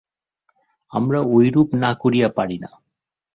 আমরা ঐরূপ না করিয়া পারি না।